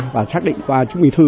và xác định qua chứng minh thư